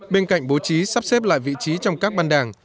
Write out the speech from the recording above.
bên cạnh bố trí sắp xếp lại vị trí trong các ban đảng